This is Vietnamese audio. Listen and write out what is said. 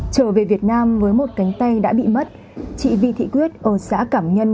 trở về việt nam với một cánh tay đã bị mất chị vi thị quyết ở xã cảm nhân